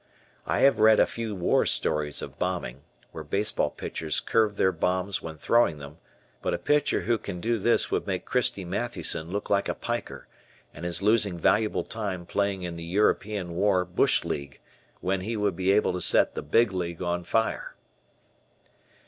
I have read a few war stories of bombing, where baseball pitchers curved their bombs when throwing them, but a pitcher who can do this would make "Christy" Mathewson look like a piker, and is losing valuable time playing in the European War Bush League, when he would be able to set the "Big League" on fire.